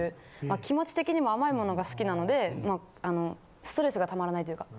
気持ち的にも甘い物が好きなのでストレスがたまらないというか。